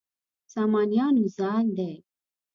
سامانیانو زال دی.